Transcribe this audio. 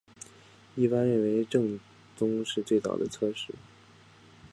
一般认为是政宗最早的侧室。